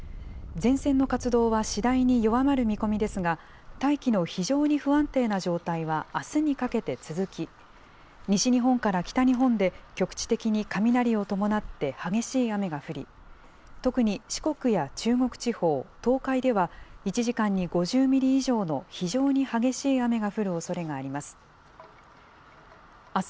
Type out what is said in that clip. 前線の活動は次第に弱まる見込みですが、大気の非常に不安定な状態はあすにかけて続き、西日本から北日本で局地的に雷を伴って激しい雨が降り、特に四国や中国地方、東海では１時間に５０ミリ以上の非常に激しい雨が降るおそれがあります。